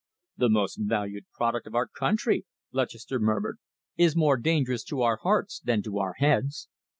"The most valued product of your country," Lutchester murmured, "is more dangerous to our hearts than to our heads."